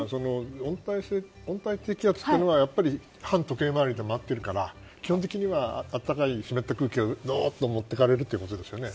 温帯低気圧というのは反時計回りになってるから基本的には暖かい湿った空気がどっと持ってかれるということですよね。